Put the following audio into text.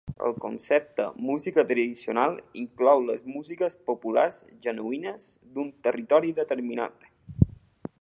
El concepte música tradicional inclou les músiques populars genuïnes d'un territori determinat.